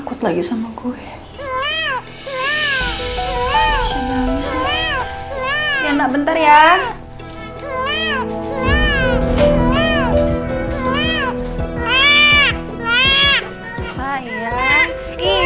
udah pada nungguin yuk